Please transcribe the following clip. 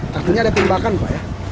takutnya ada tembakan pak ya